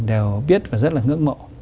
đều biết và rất là ngưỡng mộ